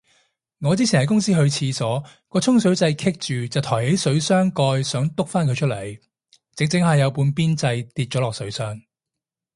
我之前喺公司去廁所，個沖水掣棘住就抬起水箱蓋想篤返佢出嚟，整整下有半邊掣跌咗落水箱